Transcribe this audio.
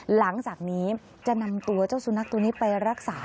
หลังจากนี้จะนำตัวเจ้าสุนัขตัวนี้ไปรักษา